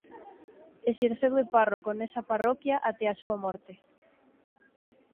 Exerceu de párroco nesa parroquia até a súa morte.